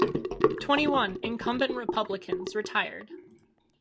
Twenty-one incumbent Republicans retired.